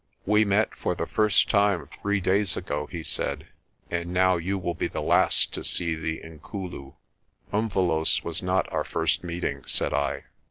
"We met for the first time three days ago," he said, "and now you will be the last to see the Inkulu." "Umvelos' was not our first meeting," said I.